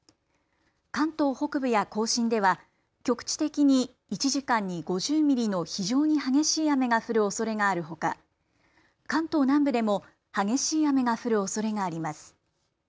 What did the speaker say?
関東北部や甲信では局地的に１時間に５０ミリの非常に激しい雨が降るおそれがあるほか関東南部でも激しい雨が降るおそれがあります。